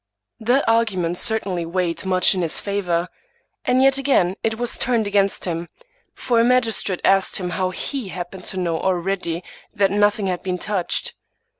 That argument certainly weighed much in his favor. And yet again it was turned against him ; for a magistrate asked him how he happened to know already that nothing had been touched.